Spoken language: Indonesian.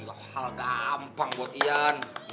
udah tanda tangan belum